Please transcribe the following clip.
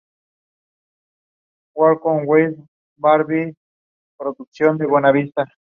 Asimismo el atrio esta cercado con arquerías y una torre de piedra.